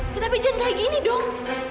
ya tapi jangan kayak gini dong